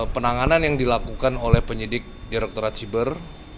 penanganan yang dilakukan oleh penyidik direkturat siber